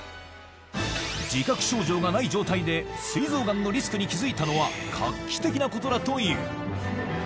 自覚症状がない状態で、すい臓がんのリスクに気付いたのは画期的なことだという。